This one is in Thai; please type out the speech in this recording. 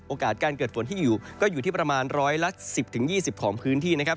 โอกาสเกิดฝนฟ้าขนองอยู่ที่ประมาณ๑๑๐๒๐ของพื้นที่นะครับ